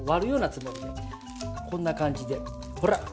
こんな感じでほら！